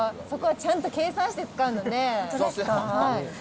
そこはちゃんと計算して使うので。